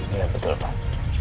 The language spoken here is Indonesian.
iya betul pak